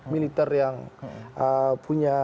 militer yang punya